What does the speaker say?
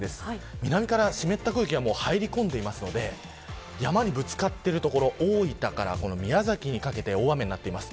南から湿った空気が入り込んでいるので山にぶつかっている所大分から宮崎にかけて大雨になっています。